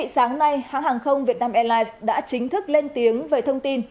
sáng nay hãng hàng không việt nam airlines đã chính thức lên tiếng về thông tin